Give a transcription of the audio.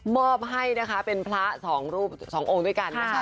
มอบให้นะคะเป็นพระ๒องค์ด้วยกันนะคะ